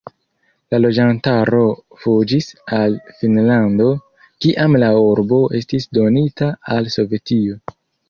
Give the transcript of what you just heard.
La loĝantaro fuĝis al Finnlando, kiam la urbo estis donita al Sovetio.